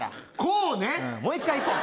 うんもう一回行こう。